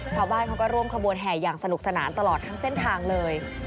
ชาวบ้านเขาก็ร่วมขบวนแห่อย่างสนุกสนานตลอดทั้งเส้นทางเลย